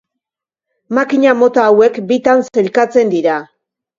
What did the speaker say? Makina mota hauek bitan sailkatzen dira.